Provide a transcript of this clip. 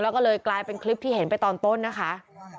แล้วก็เลยกลายเป็นคลิปที่เห็นไปตอนต้นนะคะ